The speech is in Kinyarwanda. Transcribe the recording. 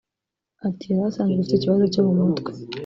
Ati “Yari asanzwe afite ikibazo cyo mu mutwe